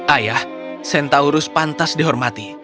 ayah centaurus pantas dihormati